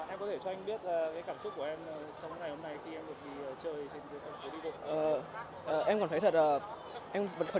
em có thể cho anh biết cảm xúc của em trong ngày hôm nay